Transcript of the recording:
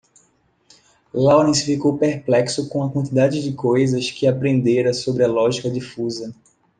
Lawrence ficou perplexo com a quantidade de coisas que aprendera sobre a lógica difusa.